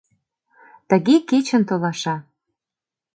Тыге кечын толаша.